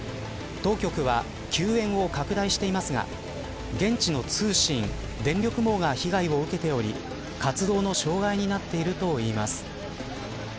当局は救援を拡大していますが現地の通信、電力網が被害を受けており活動の障害になっているといいます。